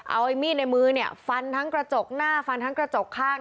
เอาไอ้มีดในมือเนี่ยฟันทั้งกระจกหน้าฟันทั้งกระจกข้าง